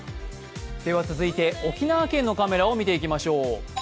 続いて沖縄県のカメラを見ていきましょう。